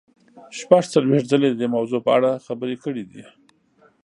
زه شپږ څلوېښت ځلې د دې موضوع په اړه خبرې کړې دي.